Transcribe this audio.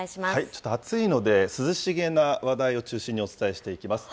ちょっと暑いので涼しげな話題を中心にお伝えしていきます。